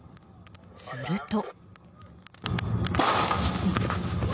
すると。